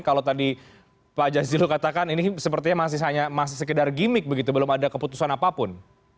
kalau tadi pak jazilul katakan ini sepertinya masih sekedar gimmick begitu belum ada keputusan apapun